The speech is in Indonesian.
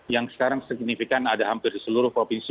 yang sekarang signifikan ada hampir di seluruh provinsi